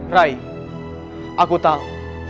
rai aku tahu